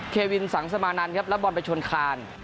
เควินสังสมานานรับบอลไปชวนคลาน